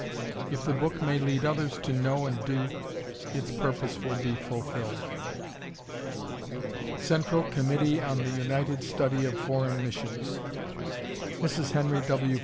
If the book may lead others to know and do, its purpose will be fulfilled. CENTRAL COMMITTEE ON THE UNITED STUDY OF FOREIGN MISSIONS. MRS. HENRY W.